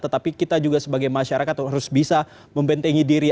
tetapi kita juga sebagai masyarakat harus bisa membentengi diri